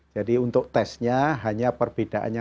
jadi untuk testnya hanya perbedaannya